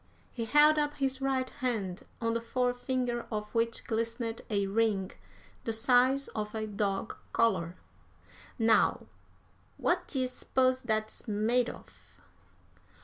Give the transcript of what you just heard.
He held up his right hand, on the forefinger of which glistened a ring the size of a dog collar. "Now, what d'ye s'pose that's made of?"